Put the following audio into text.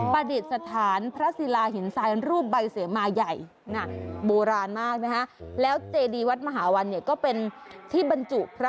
ปฏิสถานพระศิลาหินทรายรูปใบเสมอใหญ่